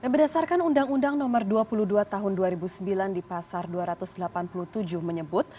berdasarkan undang undang nomor dua puluh dua tahun dua ribu sembilan di pasar dua ratus delapan puluh tujuh menyebut